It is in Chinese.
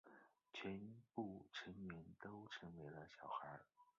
全部成员都成为了小孩。